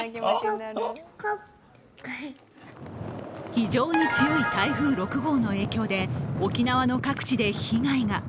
非常に強い台風６号の影響で沖縄の各地で被害が。